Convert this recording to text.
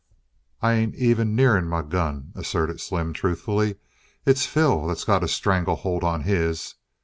"I ain't even nearin' my gun," asserted Slim truthfully. "It's Phil that's got a strangle hold on his."